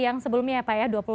yang sebelumnya ya pak ya